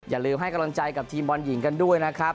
อย่าลืมให้กำลังใจกับทีมบอลหญิงกันด้วยนะครับ